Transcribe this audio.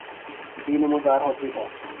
بھی نمودار ہوتی ہیں